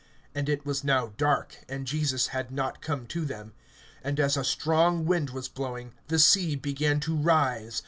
And it was now dark, and Jesus had not come to them; (18)and as a strong wind was blowing, the sea began to rise.